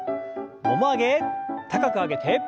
もも上げ高く上げて。